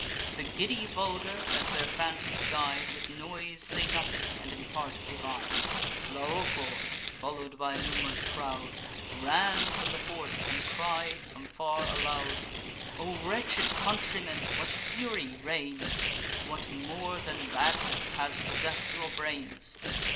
The giddy vulgar, as their fancies guide, With noise say nothing, and in parts divide. Laocoon, follow'd by a num'rous crowd, Ran from the fort, and cried, from far, aloud: 'O wretched countrymen! what fury reigns? What more than madness has possess'd your brains?